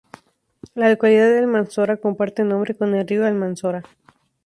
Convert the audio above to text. La localidad de Almanzora comparte nombre con el río Almanzora.